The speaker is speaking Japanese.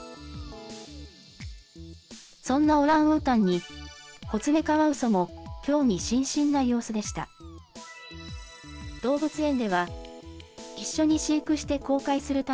そんなオランウータンに、コツメカワウソも興味津々な様子でした。